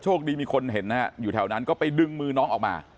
คดีมีคนเห็นนะฮะอยู่แถวนั้นก็ไปดึงมือน้องออกมา